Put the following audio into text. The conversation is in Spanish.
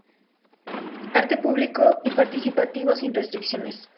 Arte público y participativo, sin restricciones.